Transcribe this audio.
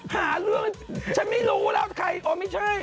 หาเรื่องฉันไม่รู้แล้วไม่ใช่